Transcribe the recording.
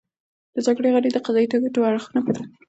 . د جرګې غړي د قضیې ټول اړخونه په دقت سره څېړي